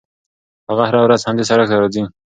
هغه هره ورځ همدې سړک ته راځي.